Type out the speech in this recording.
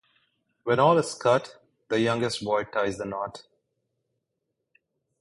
When all is cut, the youngest boy ties the knot.